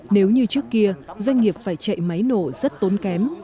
nếu như trước kia doanh nghiệp phải chạy máy nổ rất tốn kém